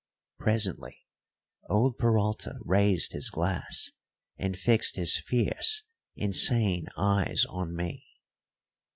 Presently old Peralta raised his glass and fixed his fierce, insane eyes on me.